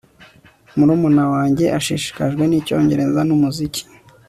Murumuna wanjye ashishikajwe nicyongereza numuziki